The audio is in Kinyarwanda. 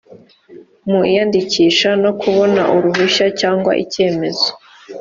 mu iyandikisha no kubona uruhushya cyangwa icyemezo